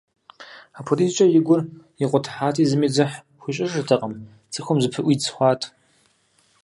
Апхуэдизкӏэ и гур икъутыхьати, зыми дзыхь хуищӏыжыртэкъым, цӏыхум зыпыӏуидз хъуат.